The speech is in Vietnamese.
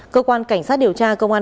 cơ quan cảnh sát điều tra công an